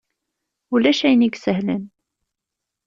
Ulac ayen i isehlen!